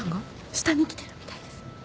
下に来てるみたいです。